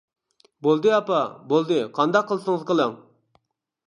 -بولدى ئاپا، بولدى قانداق قىلسىڭىز قىلىڭ.